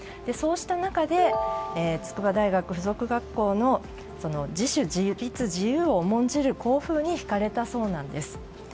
そうした中で筑波大学付属学校の自主・自立・自由を重んじる校風に引かれたそうなんです。